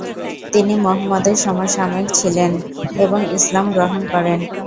তিনি মুহাম্মদ এর সমসাময়িক ছিলেন এবং ইসলাম গ্রহণ করেন।